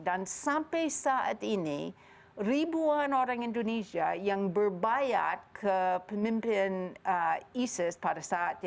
dan sampai saat ini ribuan orang indonesia yang berbayar ke pemimpin isis pada saat itu